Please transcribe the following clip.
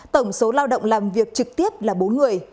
tổng số lao động làm việc trực tiếp là bốn người